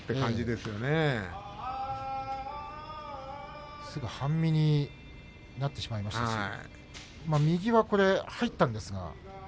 すぐ半身になってしまいましたし右は入ったんですが。